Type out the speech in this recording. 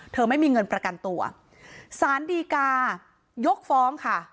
ไม่มีเงินประกันตัวสารดีกายกฟ้องค่ะ